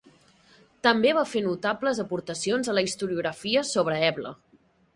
També va fer notables aportacions a la historiografia sobre Ebla.